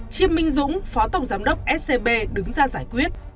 chiêm minh dũng phó tổng giám đốc scb đứng ra giải quyết